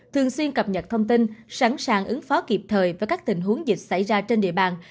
thường xuyên cập nhật thông tin sẵn sàng ứng phó kịp thời với các tình huống dịch xảy ra trên địa bàn